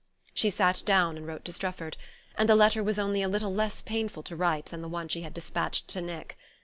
She sat down and wrote to Strefford and the letter was only a little less painful to write than the one she had despatched to Nick.